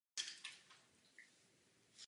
Na dolním toku už teče opět severojižním směrem.